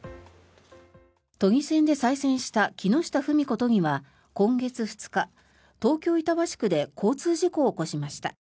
都議選で再選した木下富美子都議は今月２日、東京・板橋区で交通事故を起こしました。